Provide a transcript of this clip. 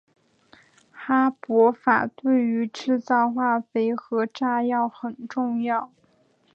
哈柏法对于制造化肥和炸药很重要。